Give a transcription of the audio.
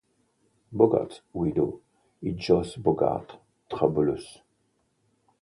Bogart's widow is Joyce Bogart-Trabulus.